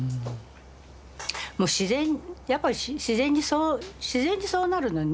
もう自然やっぱり自然にそう自然にそうなるのね。